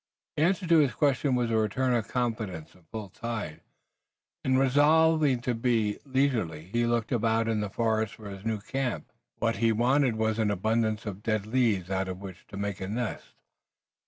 The answer to his question was a return of confidence in full tide, and resolving to be leisurely he looked about in the woods for his new camp. What he wanted was an abundance of dead leaves out of which to make a nest.